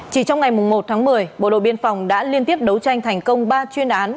chỉ trong ngày một tháng một mươi bộ đội biên phòng đã liên tiếp đấu tranh thành công ba chuyên án